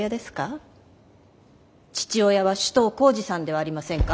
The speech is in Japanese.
父親は首藤幸次さんではありませんか？